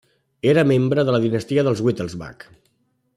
Era membre de la dinastia dels Wittelsbach.